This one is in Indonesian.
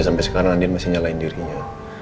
dia sampe sekarang andin masih nyalain dirinya